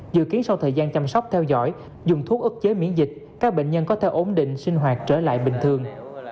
dự kiến sau thời gian chăm sóc theo dõi dùng thuốc ức chế miễn dịch các bệnh nhân có thể ổn định sinh hoạt trở lại bình thường